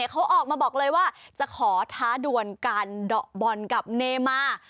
เขาออกมาบอกเลยว่าจะขอท้าด่วนการเดาะบอลกับเนมา